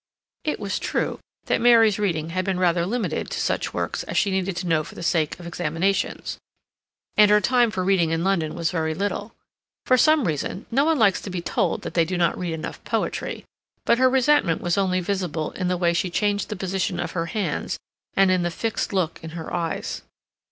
It was true that Mary's reading had been rather limited to such works as she needed to know for the sake of examinations; and her time for reading in London was very little. For some reason, no one likes to be told that they do not read enough poetry, but her resentment was only visible in the way she changed the position of her hands, and in the fixed look in her eyes.